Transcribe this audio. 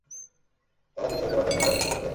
তোরা দুই শুয়োরের বাচ্চা ছেলেটার মৃত্যুর জন্য দায়ী!